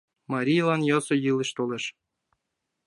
Марийлан йӧсӧ илыш толеш: